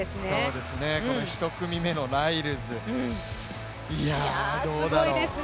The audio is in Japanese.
１組目のライルズ、いや、どうだろう。